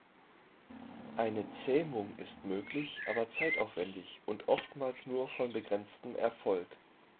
Eine Zähmung ist möglich, aber zeitaufwendig und oftmals nur von begrenztem Erfolg.